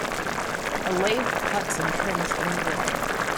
A lathe cuts and trims any wood.